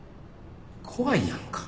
怖いやんか。